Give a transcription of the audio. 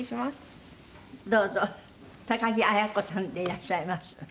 高木綾子さんでいらっしゃいます。